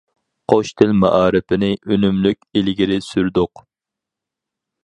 ‹‹ قوش تىل›› مائارىپىنى ئۈنۈملۈك ئىلگىرى سۈردۇق.